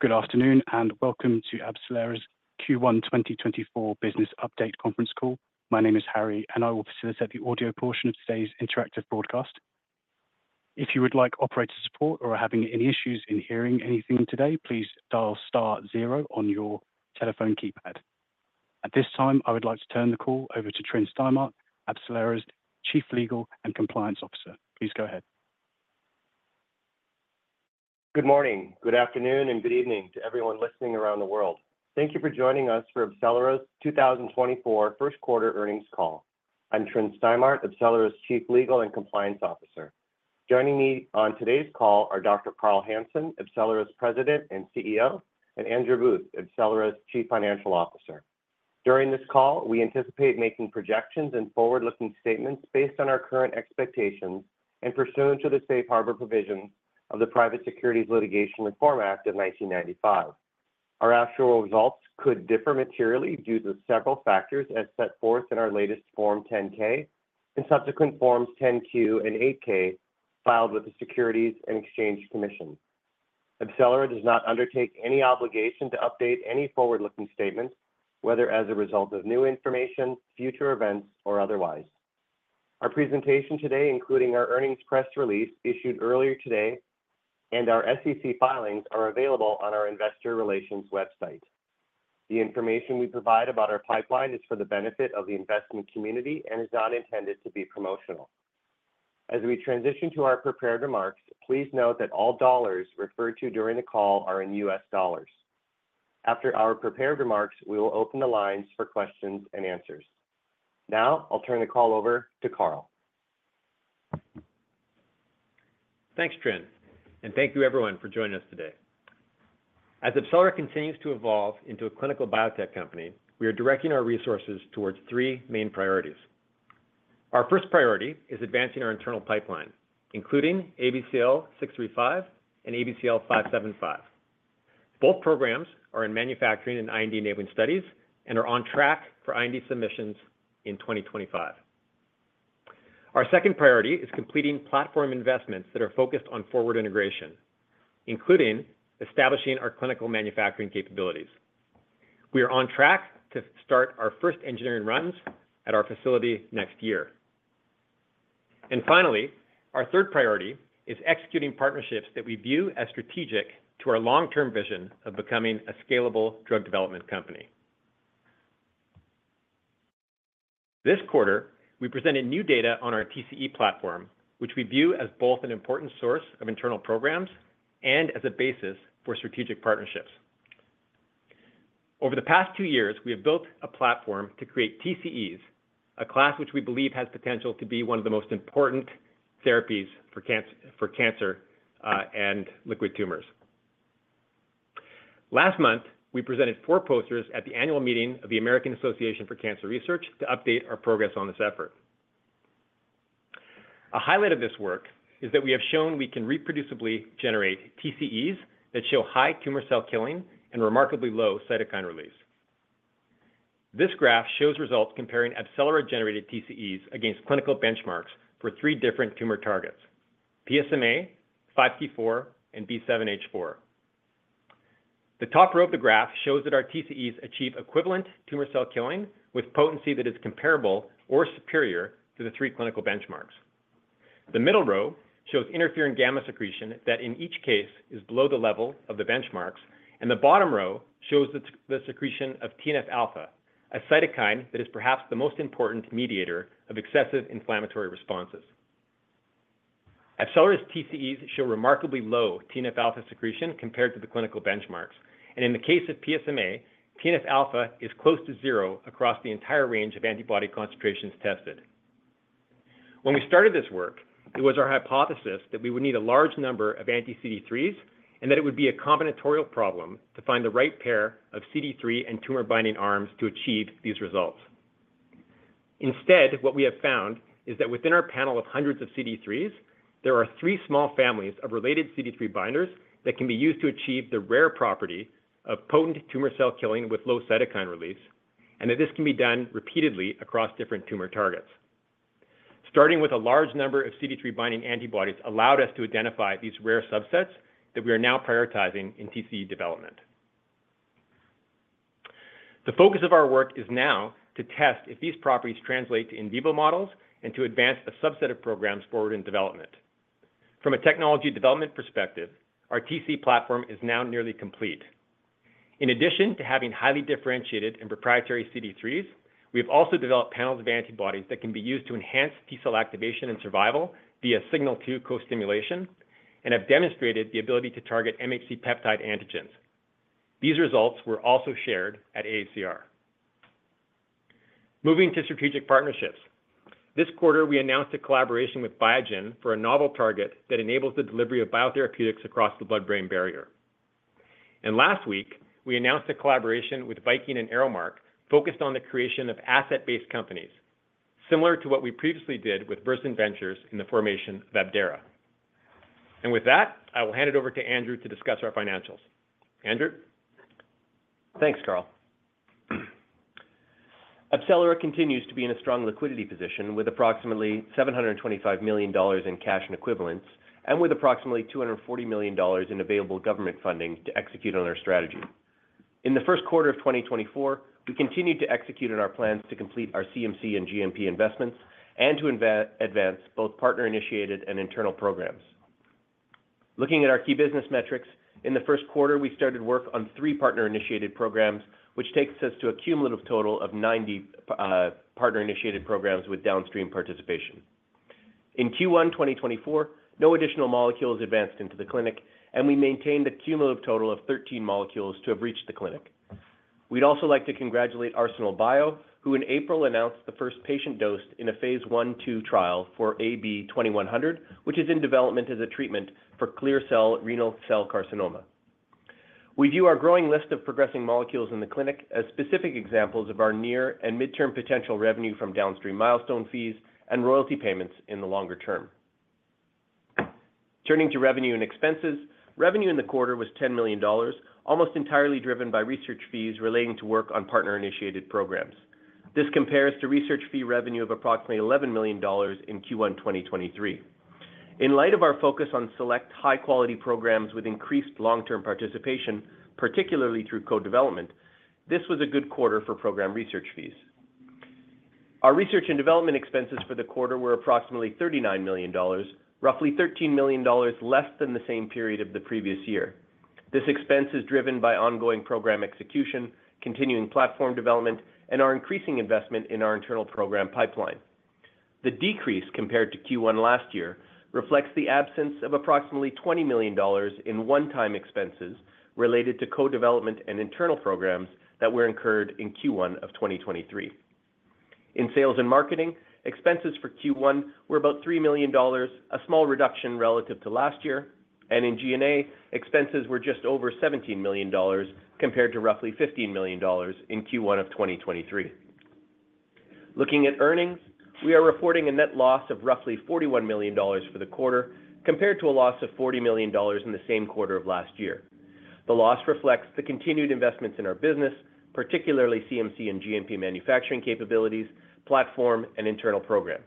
Good afternoon and welcome to AbCellera's Q1 2024 Business Update Conference Call. My name is Harry, and I will facilitate the audio portion of today's interactive broadcast. If you would like operator support or are having any issues in hearing anything today, please dial star zero on your telephone keypad. At this time, I would like to turn the call over to Tryn Stimart, AbCellera's Chief Legal and Compliance Officer. Please go ahead. Good morning, good afternoon, and good evening to everyone listening around the world. Thank you for joining us for AbCellera's 2024 Q1 earnings call. I'm Tryn Stimart, AbCellera's Chief Legal and Compliance Officer. Joining me on today's call are Dr. Carl Hansen, AbCellera's President and CEO, and Andrew Booth, AbCellera's Chief Financial Officer. During this call, we anticipate making projections and forward-looking statements based on our current expectations and pursuant to the Safe Harbor provisions of the Private Securities Litigation Reform Act of 1995. Our actual results could differ materially due to several factors as set forth in our latest Form 10-K and subsequent Forms 10-Q and 8-K filed with the Securities and Exchange Commission. AbCellera does not undertake any obligation to update any forward-looking statements, whether as a result of new information, future events, or otherwise. Our presentation today, including our earnings press release issued earlier today and our SEC filings, are available on our investor relations website. The information we provide about our pipeline is for the benefit of the investment community and is not intended to be promotional. As we transition to our prepared remarks, please note that all dollars referred to during the call are in U.S. dollars. After our prepared remarks, we will open the lines for questions and answers. Now I'll turn the call over to Carl. Thanks, Tryn, and thank you everyone for joining us today. As AbCellera continues to evolve into a clinical biotech company, we are directing our resources towards three main priorities. Our first priority is advancing our internal pipeline, including ABCL635 and ABCL575. Both programs are in manufacturing and IND enabling studies and are on track for IND submissions in 2025. Our second priority is completing platform investments that are focused on forward integration, including establishing our clinical manufacturing capabilities. We are on track to start our first engineering runs at our facility next year. And finally, our third priority is executing partnerships that we view as strategic to our long-term vision of becoming a scalable drug development company. This quarter, we presented new data on our TCE platform, which we view as both an important source of internal programs and as a basis for strategic partnerships. Over the past two years, we have built a platform to create TCEs, a class which we believe has potential to be one of the most important therapies for cancer and liquid tumors. Last month, we presented four posters at the annual meeting of the American Association for Cancer Research to update our progress on this effort. A highlight of this work is that we have shown we can reproducibly generate TCEs that show high tumor cell killing and remarkably low cytokine release. This graph shows results comparing AbCellera-generated TCEs against clinical benchmarks for three different tumor targets: PSMA, 5T4, and B7H4. The top row of the graph shows that our TCEs achieve equivalent tumor cell killing with potency that is comparable or superior to the three clinical benchmarks. The middle row shows interferon gamma secretion that, in each case, is below the level of the benchmarks, and the bottom row shows the secretion of TNF-alpha, a cytokine that is perhaps the most important mediator of excessive inflammatory responses. AbCellera's TCEs show remarkably low TNF-alpha secretion compared to the clinical benchmarks, and in the case of PSMA, TNF-alpha is close to zero across the entire range of antibody concentrations tested. When we started this work, it was our hypothesis that we would need a large number of anti-CD3s and that it would be a combinatorial problem to find the right pair of CD3 and tumor-binding arms to achieve these results. Instead, what we have found is that within our panel of hundreds of CD3s, there are three small families of related CD3 binders that can be used to achieve the rare property of potent tumor cell killing with low cytokine release, and that this can be done repeatedly across different tumor targets. Starting with a large number of CD3-binding antibodies allowed us to identify these rare subsets that we are now prioritizing in TCE development. The focus of our work is now to test if these properties translate to in vivo models and to advance a subset of programs forward in development. From a technology development perspective, our TCE platform is now nearly complete. In addition to having highly differentiated and proprietary CD3s, we have also developed panels of antibodies that can be used to enhance T-cell activation and survival via signal 2 co-stimulation and have demonstrated the ability to target MHC peptide antigens. These results were also shared at AACR. Moving to strategic partnerships, this quarter we announced a collaboration with Biogen for a novel target that enables the delivery of biotherapeutics across the blood-brain barrier. Last week, we announced a collaboration with Viking and ArrowMark focused on the creation of asset-based companies, similar to what we previously did with Versant Ventures in the formation of Abdera. With that, I will hand it over to Andrew to discuss our financials. Andrew? Thanks, Carl. AbCellera continues to be in a strong liquidity position with approximately $725 million in cash and equivalents and with approximately $240 million in available government funding to execute on our strategy. In the Q1 of 2024, we continued to execute on our plans to complete our CMC and GMP investments and to advance both partner-initiated and internal programs. Looking at our key business metrics, in the Q1 we started work on three partner-initiated programs, which takes us to a cumulative total of 90 partner-initiated programs with downstream participation. In Q1 2024, no additional molecule was advanced into the clinic, and we maintained a cumulative total of 13 molecules to have reached the clinic. We'd also like to congratulate Arsenal Biosciences, who in April announced the first patient dose in a phase I, II trial for AB-2100, which is in development as a treatment for clear-cell renal cell carcinoma. We view our growing list of progressing molecules in the clinic as specific examples of our near and mid-term potential revenue from downstream milestone fees and royalty payments in the longer term. Turning to revenue and expenses, revenue in the quarter was $10 million, almost entirely driven by research fees relating to work on partner-initiated programs. This compares to research fee revenue of approximately $11 million in Q1 2023. In light of our focus on select high-quality programs with increased long-term participation, particularly through co-development, this was a good quarter for program research fees. Our research and development expenses for the quarter were approximately $39 million, roughly $13 million less than the same period of the previous year. This expense is driven by ongoing program execution, continuing platform development, and our increasing investment in our internal program pipeline. The decrease compared to Q1 last year reflects the absence of approximately $20 million in one-time expenses related to co-development and internal programs that were incurred in Q1 of 2023. In sales and marketing, expenses for Q1 were about $3 million, a small reduction relative to last year, and in G&A, expenses were just over $17 million compared to roughly $15 million in Q1 of 2023. Looking at earnings, we are reporting a net loss of roughly $41 million for the quarter compared to a loss of $40 million in the same quarter of last year. The loss reflects the continued investments in our business, particularly CMC and GMP manufacturing capabilities, platform, and internal programs.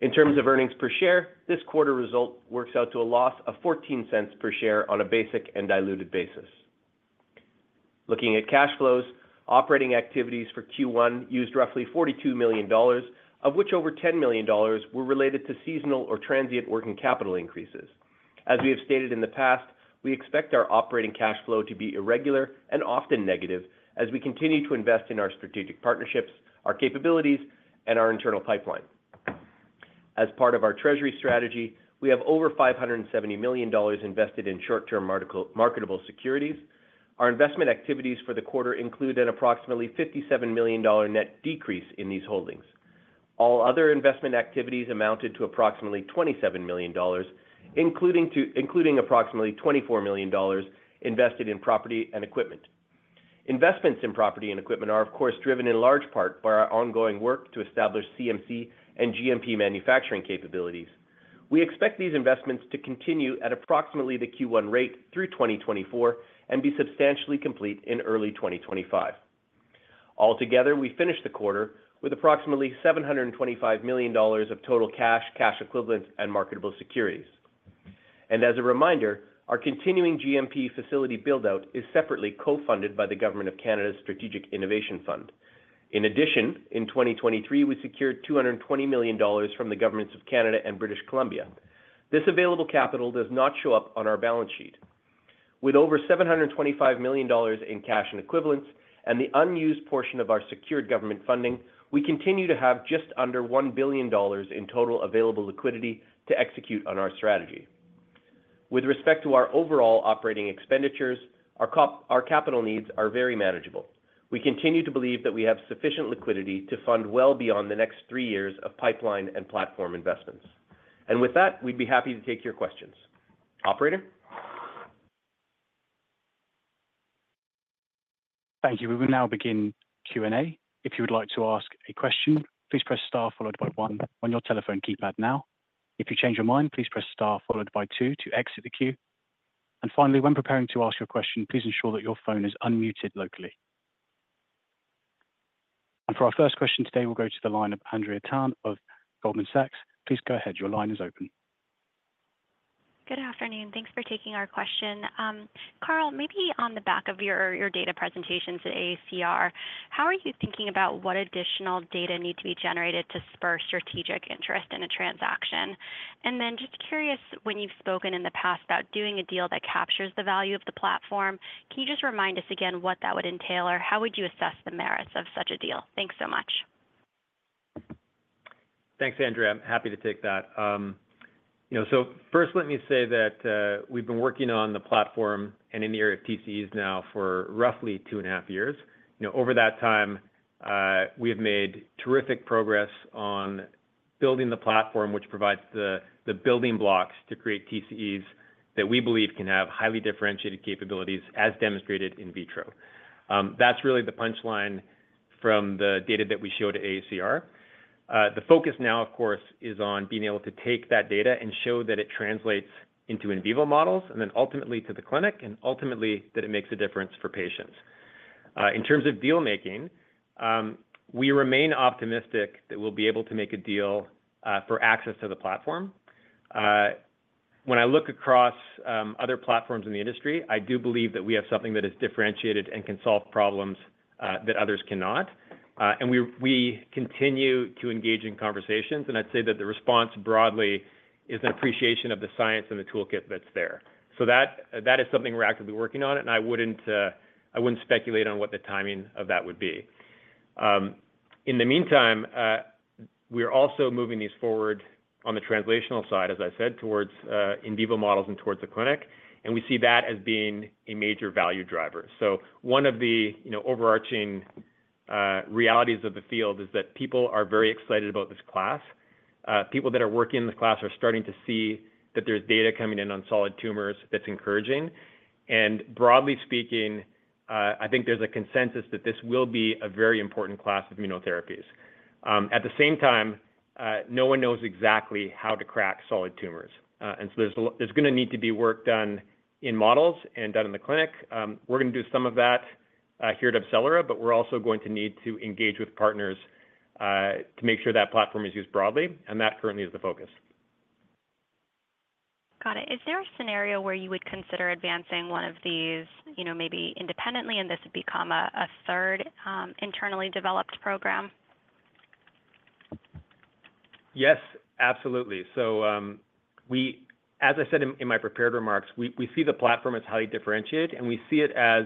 In terms of earnings per share, this quarter result works out to a loss of $0.14 per share on a basic and diluted basis. Looking at cash flows, operating activities for Q1 used roughly $42 million, of which over $10 million were related to seasonal or transient working capital increases. As we have stated in the past, we expect our operating cash flow to be irregular and often negative as we continue to invest in our strategic partnerships, our capabilities, and our internal pipeline. As part of our treasury strategy, we have over $570 million invested in short-term marketable securities. Our investment activities for the quarter include an approximately $57 million net decrease in these holdings. All other investment activities amounted to approximately $27 million, including approximately $24 million invested in property and equipment. Investments in property and equipment are, of course, driven in large part by our ongoing work to establish CMC and GMP manufacturing capabilities. We expect these investments to continue at approximately the Q1 rate through 2024 and be substantially complete in early 2025. Altogether, we finished the quarter with approximately $725 million of total cash, cash equivalents, and marketable securities. As a reminder, our continuing GMP facility buildout is separately co-funded by the Government of Canada's Strategic Innovation Fund. In addition, in 2023, we secured $220 million from the Governments of Canada and British Columbia. This available capital does not show up on our balance sheet. With over $725 million in cash and equivalents and the unused portion of our secured government funding, we continue to have just under $1 billion in total available liquidity to execute on our strategy. With respect to our overall operating expenditures, our capital needs are very manageable. We continue to believe that we have sufficient liquidity to fund well beyond the next three years of pipeline and platform investments. With that, we'd be happy to take your questions. Operator? Thank you. We will now begin Q&A. If you would like to ask a question, please press Star followed by one on your telephone keypad now. If you change your mind, please press Star followed by two to exit the queue. And finally, when preparing to ask your question, please ensure that your phone is unmuted locally. And for our first question today, we'll go to the line of Andrea Tan of Goldman Sachs. Please go ahead. Your line is open. Good afternoon. Thanks for taking our question. Carl, maybe on the back of your data presentations at AACR, how are you thinking about what additional data need to be generated to spur strategic interest in a transaction? And then just curious, when you've spoken in the past about doing a deal that captures the value of the platform, can you just remind us again what that would entail, or how would you assess the merits of such a deal? Thanks so much. Thanks, Andrea. I'm happy to take that. So first, let me say that we've been working on the platform and in the area of TCEs now for roughly 2.5 years. Over that time, we have made terrific progress on building the platform, which provides the building blocks to create TCEs that we believe can have highly differentiated capabilities, as demonstrated in vitro. That's really the punchline from the data that we show to AACR. The focus now, of course, is on being able to take that data and show that it translates into in vivo models and then ultimately to the clinic, and ultimately that it makes a difference for patients. In terms of deal making, we remain optimistic that we'll be able to make a deal for access to the platform. When I look across other platforms in the industry, I do believe that we have something that is differentiated and can solve problems that others cannot. We continue to engage in conversations, and I'd say that the response broadly is an appreciation of the science and the toolkit that's there. That is something we're actively working on, and I wouldn't speculate on what the timing of that would be. In the meantime, we are also moving these forward on the translational side, as I said, towards in vivo models and towards the clinic, and we see that as being a major value driver. One of the overarching realities of the field is that people are very excited about this class. People that are working in this class are starting to see that there's data coming in on solid tumors that's encouraging. Broadly speaking, I think there's a consensus that this will be a very important class of immunotherapies. At the same time, no one knows exactly how to crack solid tumors. And so there's going to need to be work done in models and done in the clinic. We're going to do some of that here at AbCellera, but we're also going to need to engage with partners to make sure that platform is used broadly, and that currently is the focus. Got it. Is there a scenario where you would consider advancing one of these maybe independently, and this would become a third internally developed program? Yes, absolutely. So as I said in my prepared remarks, we see the platform as highly differentiated, and we see it as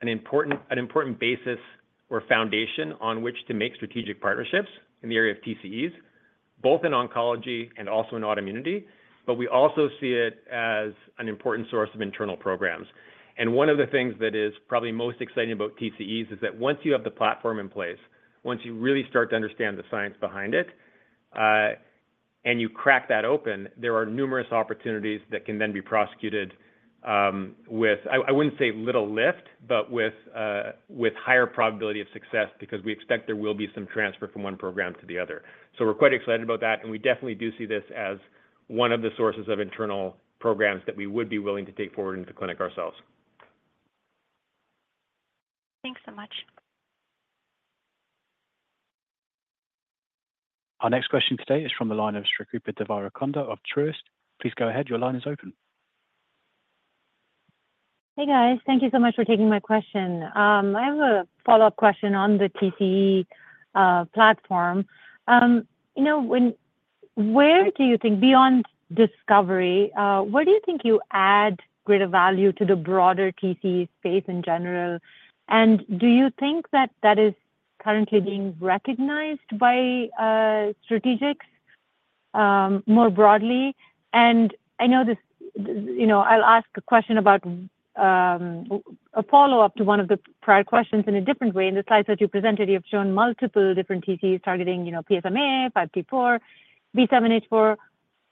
an important basis or foundation on which to make strategic partnerships in the area of TCEs, both in oncology and also in autoimmunity. But we also see it as an important source of internal programs. And one of the things that is probably most exciting about TCEs is that once you have the platform in place, once you really start to understand the science behind it, and you crack that open, there are numerous opportunities that can then be prosecuted with, I wouldn't say little lift, but with higher probability of success because we expect there will be some transfer from one program to the other. So we're quite excited about that, and we definitely do see this as one of the sources of internal programs that we would be willing to take forward into the clinic ourselves. Thanks so much. Our next question today is from the line of Srikripa Devarakonda of Truist. Please go ahead. Your line is open. Hey, guys. Thank you so much for taking my question. I have a follow-up question on the TCE platform. Where do you think, beyond discovery, where do you think you add greater value to the broader TCE space in general? And do you think that that is currently being recognized by strategics more broadly? And I know this I'll ask a question about a follow-up to one of the prior questions in a different way. In the slides that you presented, you have shown multiple different TCEs targeting PSMA, 5T4, B7H4,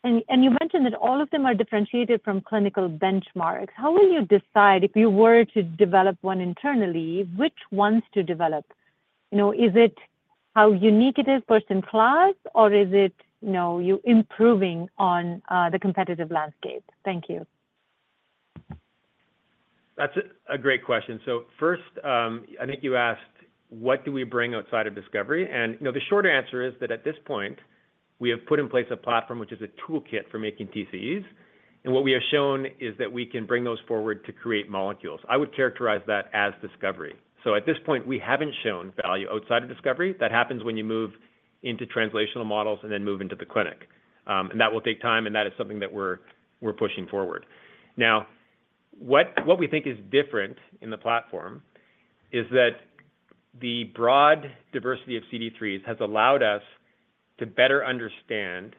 and you mentioned that all of them are differentiated from clinical benchmarks. How will you decide, if you were to develop one internally, which ones to develop? Is it how unique it is, first-in-class, or is it you improving on the competitive landscape? Thank you. That's a great question. So first, I think you asked, what do we bring outside of discovery? And the shorter answer is that at this point, we have put in place a platform which is a toolkit for making TCEs. And what we have shown is that we can bring those forward to create molecules. I would characterize that as discovery. So at this point, we haven't shown value outside of discovery. That happens when you move into translational models and then move into the clinic. And that will take time, and that is something that we're pushing forward. Now, what we think is different in the platform is that the broad diversity of CD3s has allowed us to better understand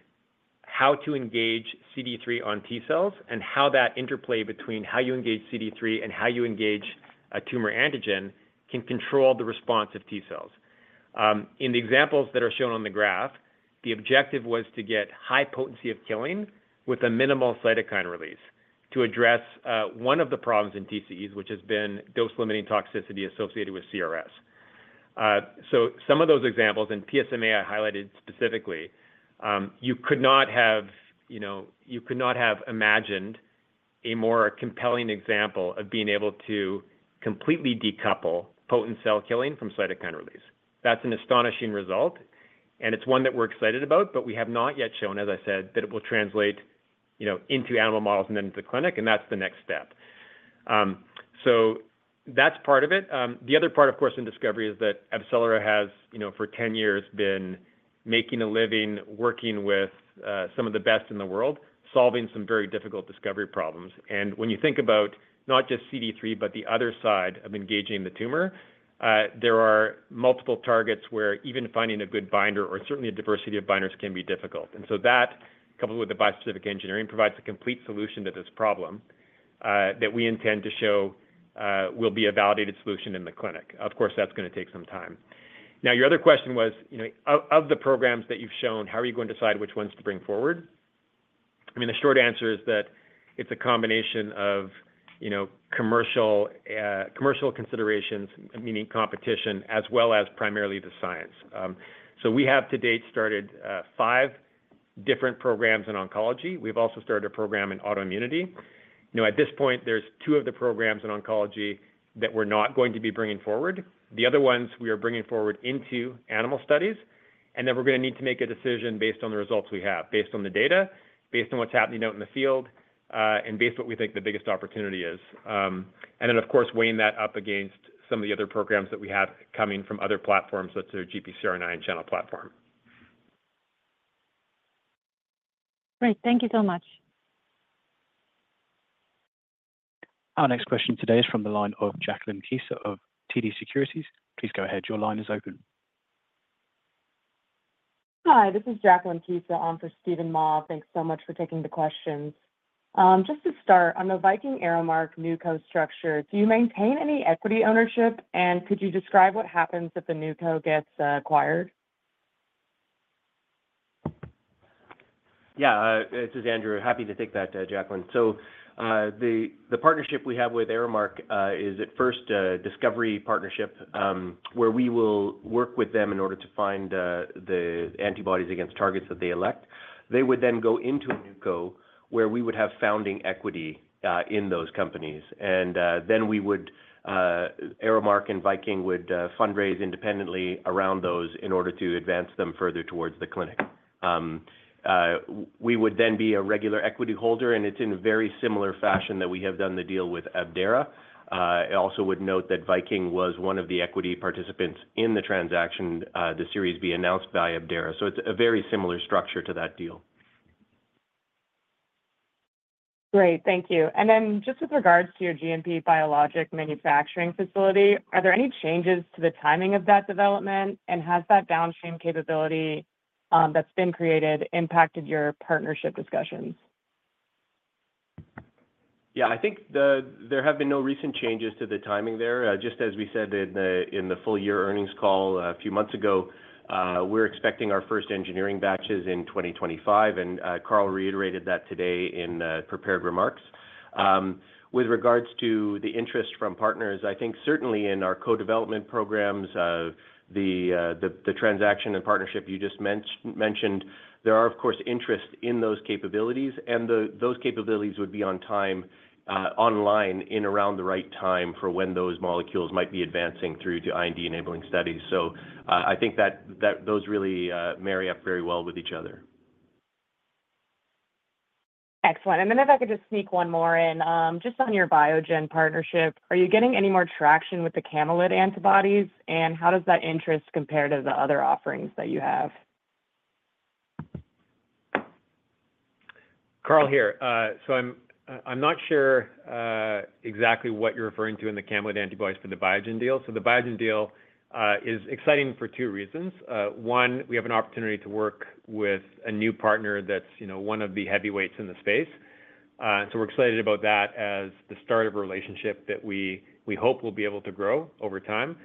how to engage CD3 on T cells and how that interplay between how you engage CD3 and how you engage a tumor antigen can control the response of T cells. In the examples that are shown on the graph, the objective was to get high potency of killing with a minimal cytokine release to address one of the problems in TCEs, which has been dose-limiting toxicity associated with CRS. So some of those examples, and PSMA I highlighted specifically, you could not have imagined a more compelling example of being able to completely decouple potent cell killing from cytokine release. That's an astonishing result, and it's one that we're excited about, but we have not yet shown, as I said, that it will translate into animal models and then into the clinic, and that's the next step. So that's part of it. The other part, of course, in discovery is that AbCellera has, for 10 years, been making a living working with some of the best in the world, solving some very difficult discovery problems. And when you think about not just CD3, but the other side of engaging the tumor, there are multiple targets where even finding a good binder or certainly a diversity of binders can be difficult. And so that, coupled with the bispecific engineering, provides a complete solution to this problem that we intend to show will be a validated solution in the clinic. Of course, that's going to take some time. Now, your other question was, of the programs that you've shown, how are you going to decide which ones to bring forward? I mean, the short answer is that it's a combination of commercial considerations, meaning competition, as well as primarily the science. So we have, to date, started five different programs in oncology. We've also started a program in autoimmunity. At this point, there's two of the programs in oncology that we're not going to be bringing forward. The other ones, we are bringing forward into animal studies, and then we're going to need to make a decision based on the results we have, based on the data, based on what's happening out in the field, and based on what we think the biggest opportunity is. And then, of course, weighing that up against some of the other programs that we have coming from other platforms, such as GPCR and ion channel platform. Great. Thank you so much. Our next question today is from the line of Jacqueline Kisa of TD Securities. Please go ahead. Your line is open. Hi. This is Jacqueline Kisa on for Stephen Ma. Thanks so much for taking the questions. Just to start, on the Viking ArrowMark NewCo structure, do you maintain any equity ownership, and could you describe what happens if the NewCo gets acquired? Yeah. This is Andrew. Happy to take that, Jacqueline. So the partnership we have with ArrowMark is, at first, a discovery partnership where we will work with them in order to find the antibodies against targets that they elect. They would then go into a newco where we would have founding equity in those companies. And then ArrowMark and Viking would fundraise independently around those in order to advance them further towards the clinic. We would then be a regular equity holder, and it's in a very similar fashion that we have done the deal with Abdera. I also would note that Viking was one of the equity participants in the transaction, the series being announced by Abdera. So it's a very similar structure to that deal. Great. Thank you. And then just with regards to your GMP biologic manufacturing facility, are there any changes to the timing of that development, and has that downstream capability that's been created impacted your partnership discussions? Yeah. I think there have been no recent changes to the timing there. Just as we said in the full-year earnings call a few months ago, we're expecting our first engineering batches in 2025, and Carl reiterated that today in prepared remarks. With regards to the interest from partners, I think certainly in our co-development programs, the transaction and partnership you just mentioned, there are, of course, interest in those capabilities, and those capabilities would be online in around the right time for when those molecules might be advancing through to IND-enabling studies. So I think that those really marry up very well with each other. Excellent. And then if I could just sneak one more in, just on your Biogen partnership, are you getting any more traction with the camelid antibodies, and how does that interest compare to the other offerings that you have? Carl here. I'm not sure exactly what you're referring to in the camelid antibodies for the Biogen deal. The Biogen deal is exciting for two reasons. One, we have an opportunity to work with a new partner that's one of the heavyweights in the space. We're excited about that as the start of a relationship that we hope will be able to grow over time.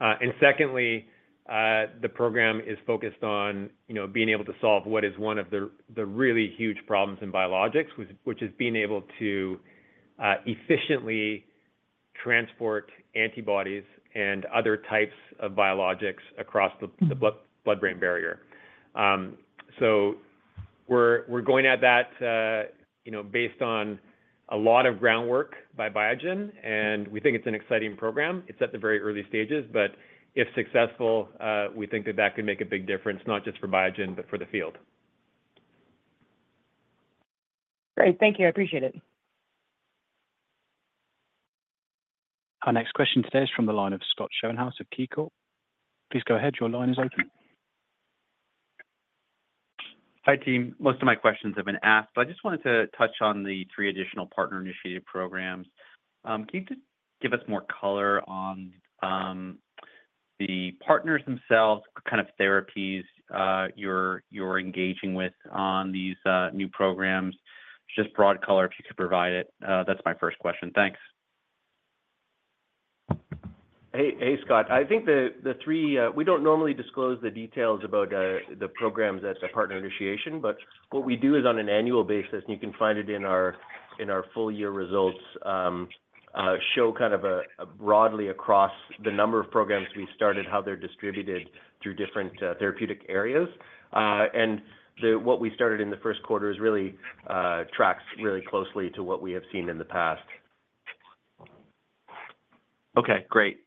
And secondly, the program is focused on being able to solve what is one of the really huge problems in biologics, which is being able to efficiently transport antibodies and other types of biologics across the blood-brain barrier. We're going at that based on a lot of groundwork by Biogen, and we think it's an exciting program. It's at the very early stages, but if successful, we think that that could make a big difference, not just for Biogen, but for the field. Great. Thank you. I appreciate it. Our next question today is from the line of Scott Schoenhaus of KeyCorp. Please go ahead. Your line is open. Hi, team. Most of my questions have been asked, but I just wanted to touch on the three additional partner-initiated programs. Can you just give us more color on the partners themselves, kind of therapies you're engaging with on these new programs? Just broad color if you could provide it. That's my first question. Thanks. Hey, Scott. I think the three we don't normally disclose the details about the programs at the partner initiation, but what we do is on an annual basis, and you can find it in our full-year results, show kind of broadly across the number of programs we started, how they're distributed through different therapeutic areas. And what we started in the Q1 tracks really closely to what we have seen in the past. Okay. Great.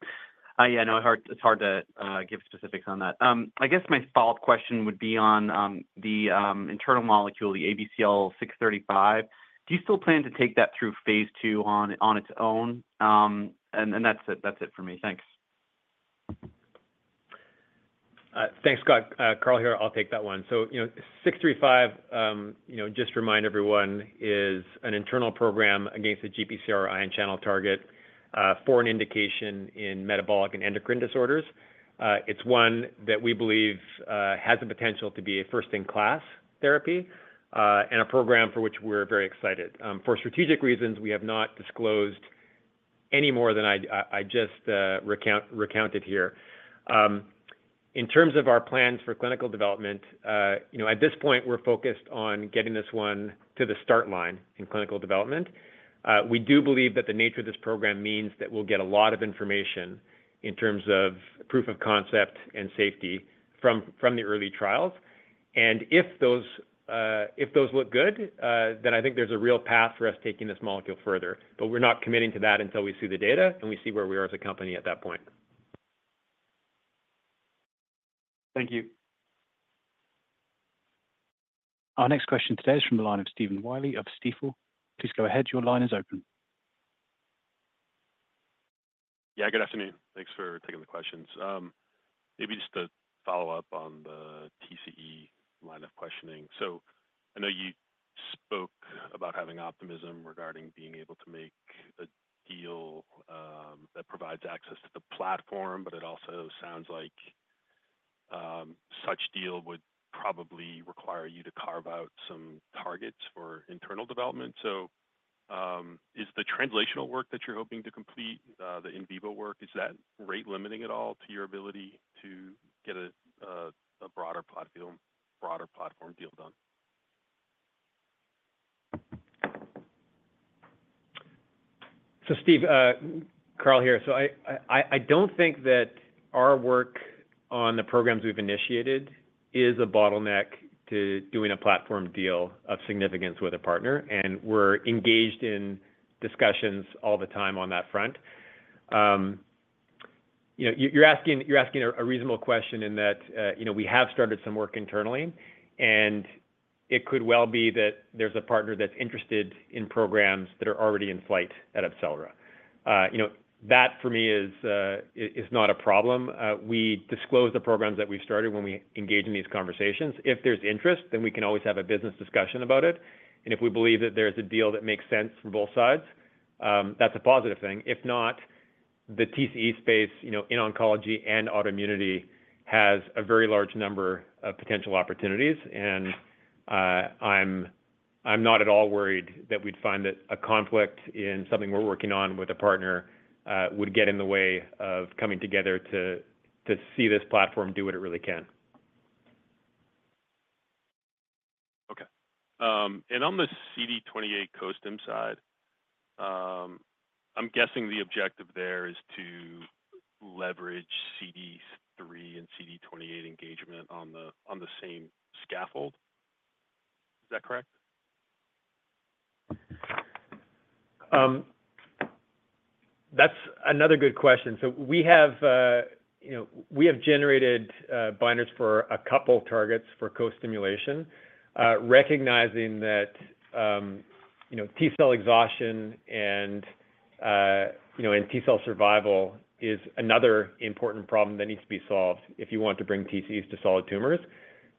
Yeah. No, it's hard to give specifics on that. I guess my follow-up question would be on the internal molecule, the ABCL635. Do you still plan to take that through phase II on its own? And that's it for me. Thanks. Thanks, Scott. Carl here. I'll take that one. So 635, just to remind everyone, is an internal program against a GPCR ion channel target for an indication in metabolic and endocrine disorders. It's one that we believe has the potential to be a first-in-class therapy and a program for which we're very excited. For strategic reasons, we have not disclosed any more than I just recounted here. In terms of our plans for clinical development, at this point, we're focused on getting this one to the start line in clinical development. We do believe that the nature of this program means that we'll get a lot of information in terms of proof of concept and safety from the early trials. If those look good, then I think there's a real path for us taking this molecule further. We're not committing to that until we see the data and we see where we are as a company at that point. Thank you. Our next question today is from the line of Stephen Willey of Stifel. Please go ahead. Your line is open. Yeah. Good afternoon. Thanks for taking the questions. Maybe just to follow up on the TCE line of questioning. So I know you spoke about having optimism regarding being able to make a deal that provides access to the platform, but it also sounds like such a deal would probably require you to carve out some targets for internal development. So is the translational work that you're hoping to complete, the in vivo work, is that rate-limiting at all to your ability to get a broader platform deal done? So, Steve, Carl here. So I don't think that our work on the programs we've initiated is a bottleneck to doing a platform deal of significance with a partner. And we're engaged in discussions all the time on that front. You're asking a reasonable question in that we have started some work internally, and it could well be that there's a partner that's interested in programs that are already in flight at AbCellera. That, for me, is not a problem. We disclose the programs that we've started when we engage in these conversations. If there's interest, then we can always have a business discussion about it. And if we believe that there's a deal that makes sense for both sides, that's a positive thing. If not, the TCE space in oncology and autoimmunity has a very large number of potential opportunities. I'm not at all worried that we'd find that a conflict in something we're working on with a partner would get in the way of coming together to see this platform do what it really can. Okay. And on the CD28 co-stim side, I'm guessing the objective there is to leverage CD3 and CD28 engagement on the same scaffold. Is that correct? That's another good question. So we have generated binders for a couple of targets for co-stimulation, recognizing that T-cell exhaustion and T-cell survival is another important problem that needs to be solved if you want to bring TCEs to solid tumors.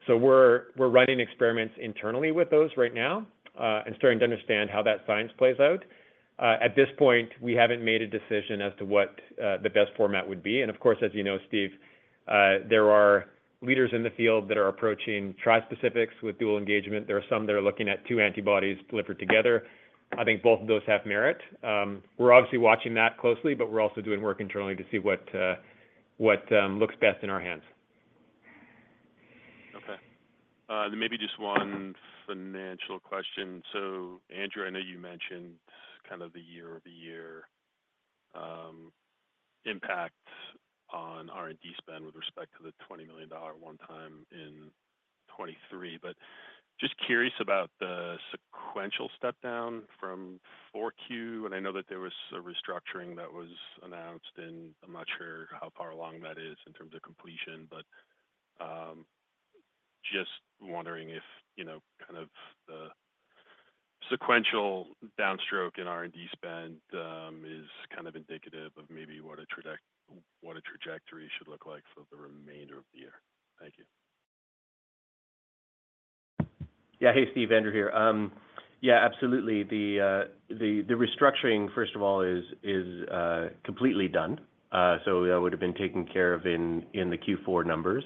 So we're running experiments internally with those right now and starting to understand how that science plays out. At this point, we haven't made a decision as to what the best format would be. And of course, as you know, Steve, there are leaders in the field that are approaching tri-specifics with dual engagement. There are some that are looking at two antibodies delivered together. I think both of those have merit. We're obviously watching that closely, but we're also doing work internally to see what looks best in our hands. Okay. Then maybe just one financial question. So, Andrew, I know you mentioned kind of the year-over-year impact on R&D spend with respect to the $20 million one-time in 2023, but just curious about the sequential stepdown from 4Q. And I know that there was a restructuring that was announced, and I'm not sure how far along that is in terms of completion, but just wondering if kind of the sequential downstroke in R&D spend is kind of indicative of maybe what a trajectory should look like for the remainder of the year. Thank you. Yeah. Hey, Steve. Andrew here. Yeah, absolutely. The restructuring, first of all, is completely done. So that would have been taken care of in the Q4 numbers.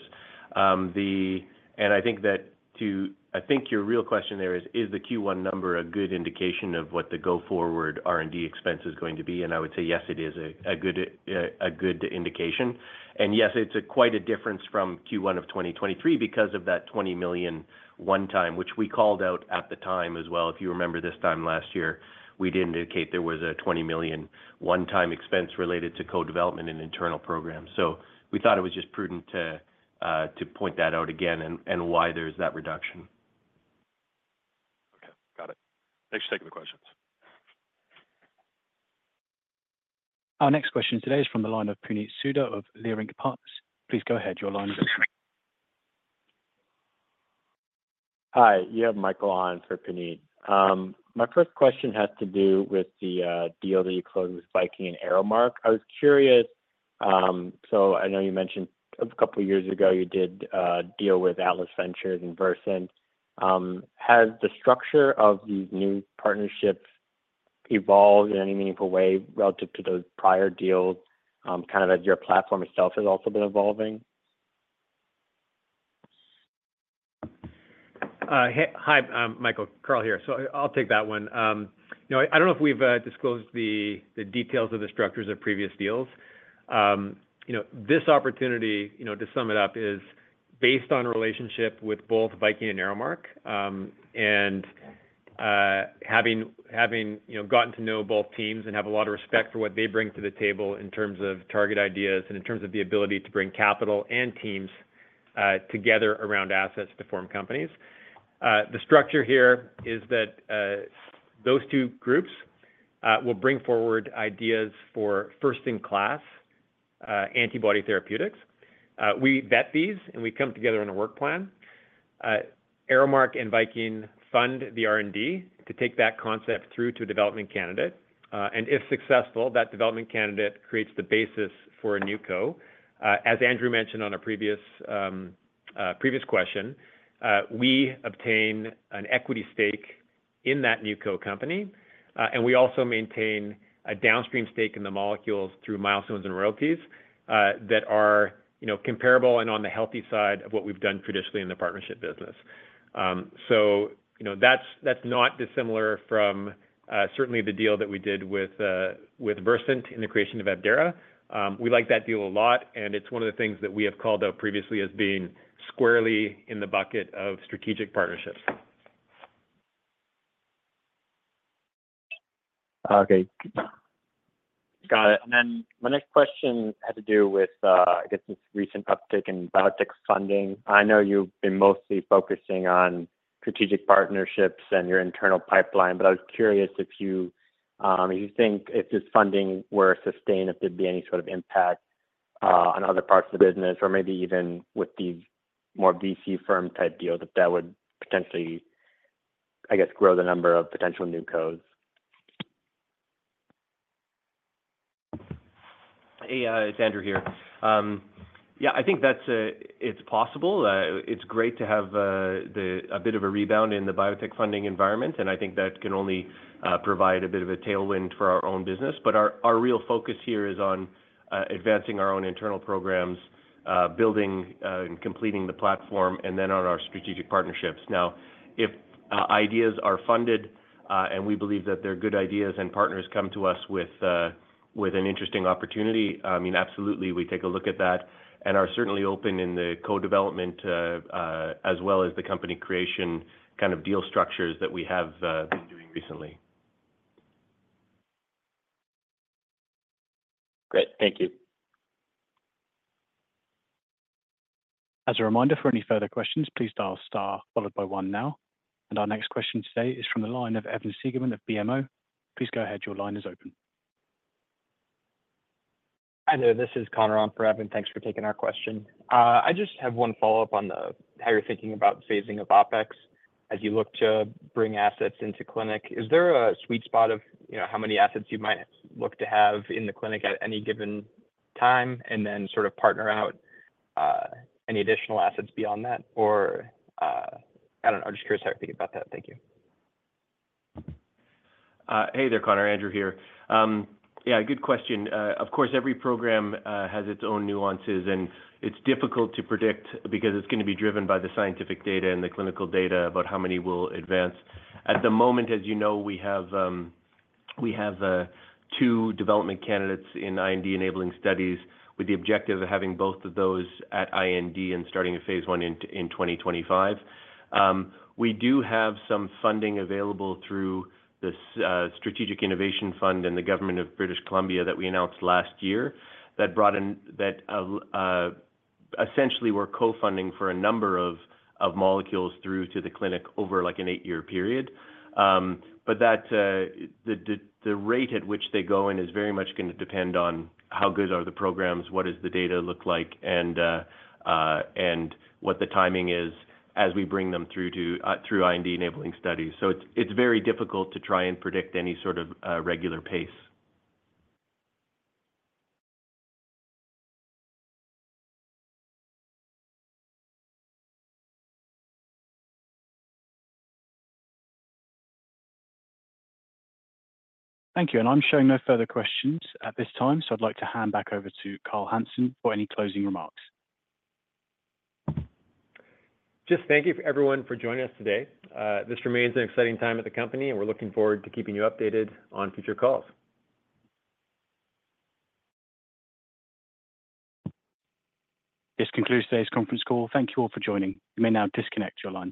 And I think that, too. I think your real question there is, is the Q1 number a good indication of what the go-forward R&D expense is going to be? And I would say, yes, it is a good indication. And yes, it's quite a difference from Q1 of 2023 because of that $20 million one-time, which we called out at the time as well. If you remember this time last year, we did indicate there was a $20 million one-time expense related to co-development and internal programs. So we thought it was just prudent to point that out again and why there's that reduction. Okay. Got it. Thanks for taking the questions. Our next question today is from the line of Puneet Souda of Leerink Partners. Please go ahead. Your line is open. Hi. You have Michael on for Puneet. My first question has to do with the deal that you closed with Viking and ArrowMark. I was curious. So I know you mentioned a couple of years ago, you did deal with Atlas Venture and Versant. Has the structure of these new partnerships evolved in any meaningful way relative to those prior deals, kind of as your platform itself has also been evolving? Hi, Michael. Carl here. So I'll take that one. I don't know if we've disclosed the details of the structures of previous deals. This opportunity, to sum it up, is based on a relationship with both Viking and ArrowMark and having gotten to know both teams and have a lot of respect for what they bring to the table in terms of target ideas and in terms of the ability to bring capital and teams together around assets to form companies. The structure here is that those two groups will bring forward ideas for first-in-class antibody therapeutics. We vet these, and we come together on a work plan. ArrowMark and Viking fund the R&D to take that concept through to a development candidate. And if successful, that development candidate creates the basis for a new co. As Andrew mentioned on a previous question, we obtain an equity stake in that NewCo-company. We also maintain a downstream stake in the molecules through milestones and royalties that are comparable and on the healthy side of what we've done traditionally in the partnership business. That's not dissimilar from certainly the deal that we did with Versant in the creation of AbCellera. We like that deal a lot, and it's one of the things that we have called out previously as being squarely in the bucket of strategic partnerships. Okay. Got it. And then my next question had to do with, I guess, this recent uptick in biotech funding. I know you've been mostly focusing on strategic partnerships and your internal pipeline, but I was curious if you think if this funding were sustained, if there'd be any sort of impact on other parts of the business, or maybe even with these more VC firm-type deals, if that would potentially, I guess, grow the number of potential new cos. Hey, it's Andrew here. Yeah, I think it's possible. It's great to have a bit of a rebound in the biotech funding environment, and I think that can only provide a bit of a tailwind for our own business. But our real focus here is on advancing our own internal programs, building and completing the platform, and then on our strategic partnerships. Now, if ideas are funded and we believe that they're good ideas and partners come to us with an interesting opportunity, I mean, absolutely, we take a look at that and are certainly open in the co-development as well as the company creation kind of deal structures that we have been doing recently. Great. Thank you. As a reminder for any further questions, please dial star followed by one now. And our next question today is from the line of Evan Segerman of BMO. Please go ahead. Your line is open. Hi, there. This is Conor on for Evan. Thanks for taking our question. I just have one follow-up on how you're thinking about phasing of OpEx as you look to bring assets into clinic. Is there a sweet spot of how many assets you might look to have in the clinic at any given time and then sort of partner out any additional assets beyond that? Or I don't know. I'm just curious how you're thinking about that. Thank you. Hey there, Conor. Andrew here. Yeah, good question. Of course, every program has its own nuances, and it's difficult to predict because it's going to be driven by the scientific data and the clinical data about how many will advance. At the moment, as you know, we have two development candidates in IND-enabling studies with the objective of having both of those at IND and starting a phase I in 2025. We do have some funding available through the Strategic Innovation Fund and the Government of British Columbia that we announced last year that essentially were co-funding for a number of molecules through to the clinic over an eight-year period. But the rate at which they go in is very much going to depend on how good are the programs, what does the data look like, and what the timing is as we bring them through IND-enabling studies. It's very difficult to try and predict any sort of regular pace. Thank you. I'm showing no further questions at this time, so I'd like to hand back over to Carl Hansen for any closing remarks. Just thank you, everyone, for joining us today. This remains an exciting time at the company, and we're looking forward to keeping you updated on future calls. This concludes today's conference call. Thank you all for joining. You may now disconnect your line.